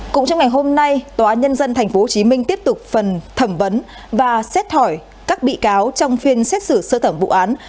cũng trong ngày hôm nay tòa nhân dân tp hcm tiếp tục phần thẩm vấn và xét thỏi các bị cáo trong phiên xét xử sơ thẩm vụ án